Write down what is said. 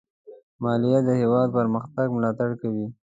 مالیه د هېواد پرمختګ ملاتړ کوي.